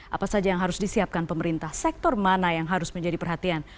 apa saja yang harus disiapkan pemerintah sektor mana yang harus menjadi perhatian